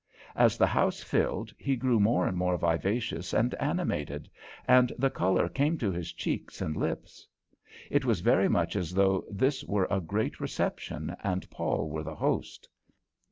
As the house filled, he grew more and more vivacious and animated, and the colour came to his cheeks and lips. It was very much as though this were a great reception and Paul were the host.